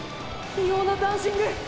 異様なダンシング！